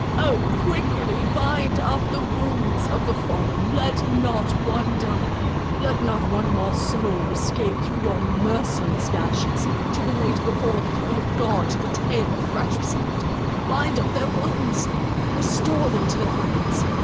O quickly bind up the wounds of the fallen—let not one die; let not one more soul escape through your merciless gashes, to relate before the throne of God the tale of fratricide; bind up their wounds—restore them to their friends.